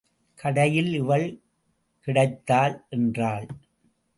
கடையில் இவள் கிடைத்தாள் என்றாள்.